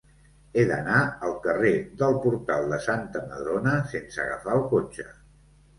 He d'anar al carrer del Portal de Santa Madrona sense agafar el cotxe.